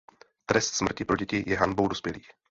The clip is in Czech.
Trest smrti pro děti je hanbou dospělých.